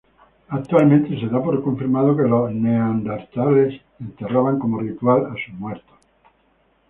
Actualmente se da por confirmado que los neandertales enterraban, como ritual, a sus muertos.